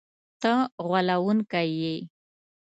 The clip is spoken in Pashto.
ته غولونکی یې!”